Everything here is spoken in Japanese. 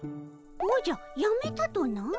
おじゃやめたとな？